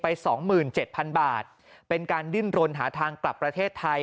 ๒๗๐๐บาทเป็นการดิ้นรนหาทางกลับประเทศไทย